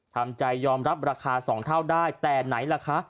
ทำใจยอมรับราคา๒เท่าได้แต่ไหนล่ะคะ